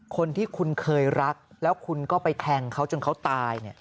คนที่คุณเคยรักแล้วคุณก็ไปแทงเขาจนเขาตาย